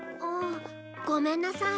ごめんなさい。